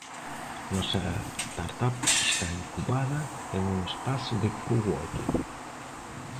Nossa startup está incubada em um espaço de coworking.